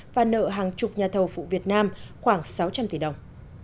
và nợ hàng chục nhà thầu phụ việt nam khoảng sáu trăm linh tỷ đồng